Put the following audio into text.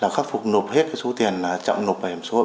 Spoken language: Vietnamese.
khắc phục nộp hết số tiền chậm nộp bảo hiểm xã hội